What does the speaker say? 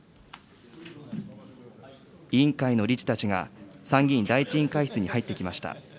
委員会の理事たちが参議院第１委員会室に入ってきました。